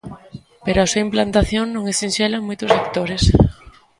Pero a súa implantación non é sinxela en moitos sectores.